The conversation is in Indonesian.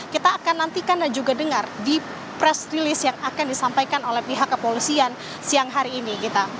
kita akan nantikan dan juga dengar di press release yang akan disampaikan oleh pihak kepolisian siang hari ini